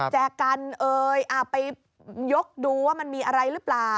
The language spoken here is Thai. แจกันเอ่ยไปยกดูว่ามันมีอะไรหรือเปล่า